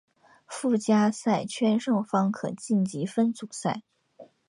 附加赛圈胜方可晋级分组赛。